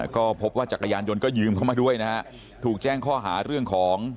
ก็พบว่าจักรยานยนต์ก็ยืมเข้ามาด้วยนะฮะถูกแจ้งข้อหาเรื่องของ